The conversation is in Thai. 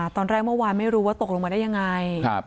ตอนแรกเมื่อวานไม่รู้ว่าตกลงมาได้ยังไง